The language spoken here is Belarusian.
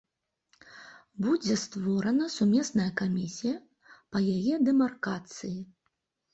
Будзе створана сумесная камісія па яе дэмаркацыі.